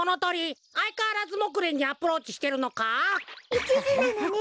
いちずなのね！